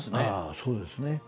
ああそうですね。